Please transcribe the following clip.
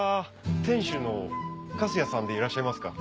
店主の粕谷さんでいらっしゃいますか？